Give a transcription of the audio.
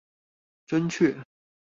真確